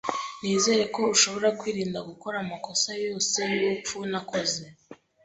Nizere ko ushobora kwirinda gukora amakosa yose yubupfu nakoze.